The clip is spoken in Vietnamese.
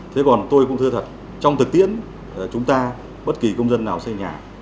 thế còn tôi cũng thưa thật trong thực tiễn chúng ta bất kỳ công dân nào xây nhà